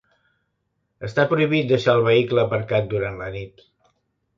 Està prohibit deixar el vehicle aparcat durant la nit.